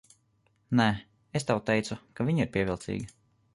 Nē, es tev teicu, ka viņa ir pievilcīga.